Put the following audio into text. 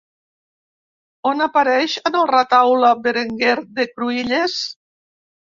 On apareix en el retaule Berenguer de Cruïlles?